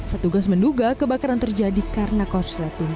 petugas menduga kebakaran terjadi karena korsleting